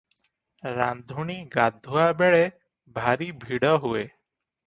ରାନ୍ଧୁଣୀ ଗାଧୁଆ ବେଳେ ଭାରି ଭିଡ଼ ହୁଏ ।